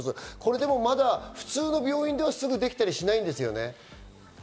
でも、普通の病院ではまだ、すぐできたりしないんですよね？